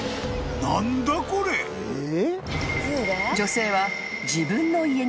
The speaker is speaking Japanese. ［女性は］